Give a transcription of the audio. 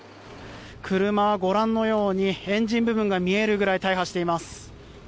車はご覧のようにエンジン部分が見えるくらい大破しています。